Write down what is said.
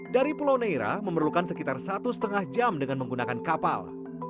dari pulau neira memerlukan sekitar satu lima jam dengan menggunakan kapal